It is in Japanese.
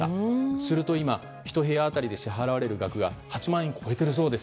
すると今、１部屋当たり支払われる額が８万円を超えているそうです。